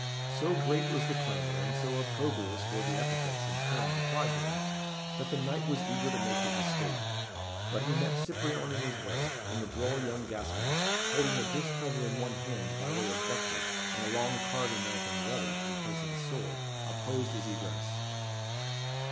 So great was the clamour, and so opprobrious were the epithets and terms applied to him, that the knight was eager to make his escape; but he met Cyprien in his way; and the droll young Gascon, holding a dish cover in one hand, by way of buckler, and a long carving knife in the other, in place of a sword, opposed his egress.